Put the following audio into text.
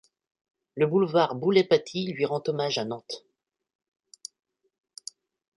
Le boulevard Boulay-Paty lui rend hommage à Nantes.